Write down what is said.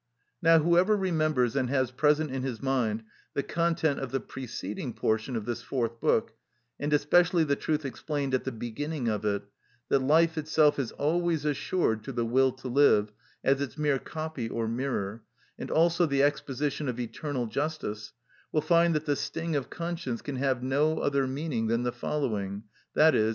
Now, whoever remembers and has present in his mind the content of the preceding portion of this Fourth Book, and especially the truth explained at the beginning of it, that life itself is always assured to the will to live, as its mere copy or mirror, and also the exposition of eternal justice, will find that the sting of conscience can have no other meaning than the following, _i.e.